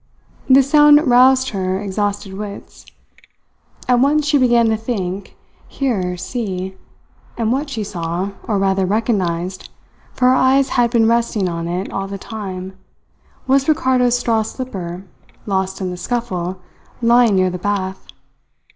This sound roused her exhausted wits. At once she began to think, hear, see; and what she saw or rather recognized, for her eyes had been resting on it all the time was Ricardo's straw slipper, lost in the scuffle, lying near the bath.